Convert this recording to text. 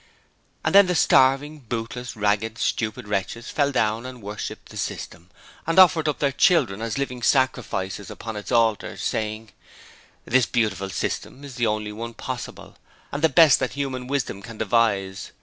And then the starving, bootless, ragged, stupid wretches fell down and worshipped the System, and offered up their children as living sacrifices upon its altars, saying: 'This beautiful System is the only one possible, and the best that human wisdom can devise.